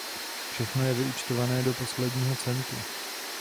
Všechno je vyúčtované do posledního centu.